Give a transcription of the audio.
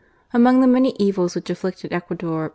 Amohg the niiiuqr evils which afflicted Ecuador